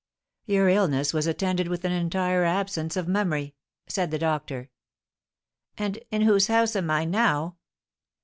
"Your illness was attended with an entire absence of memory," said the doctor. "And in whose house am I now?"